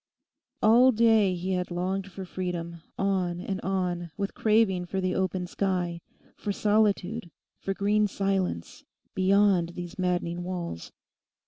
All day he had longed for freedom, on and on, with craving for the open sky, for solitude, for green silence, beyond these maddening walls.